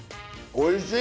おいしい。